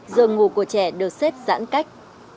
giờ ngủ của trẻ đều xếp giãn cách